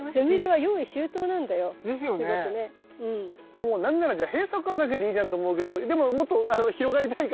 もう何なら閉鎖花だけでいいじゃんって思うけどでももっと広がりたいから。